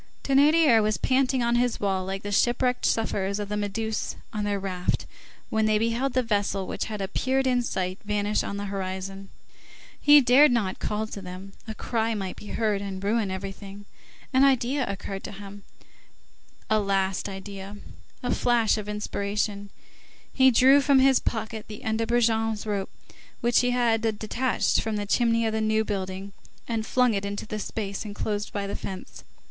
Thénardier was panting on his wall like the shipwrecked sufferers of the Méduse on their raft when they beheld the vessel which had appeared in sight vanish on the horizon. He dared not call to them; a cry might be heard and ruin everything. An idea occurred to him, a last idea, a flash of inspiration; he drew from his pocket the end of Brujon's rope, which he had detached from the chimney of the New Building, and flung it into the space enclosed by the fence.